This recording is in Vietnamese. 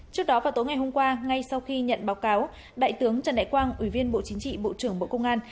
trước đó vào tối ngày hôm qua ngay sau khi nhận báo cáo đại tướng trần đại quang ủy viên bộ chính trị bộ trưởng bộ công an